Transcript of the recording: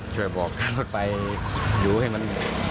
ช่วยบอกการรถไฟดูให้มัน